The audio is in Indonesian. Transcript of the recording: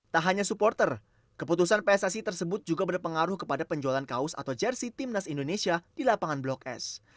tak hanya supporter keputusan pssi tersebut juga berpengaruh kepada penjualan kaos atau jersi timnas indonesia di lapangan blok s